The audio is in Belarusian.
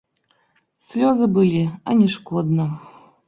Слёзы былі, а не шкодна.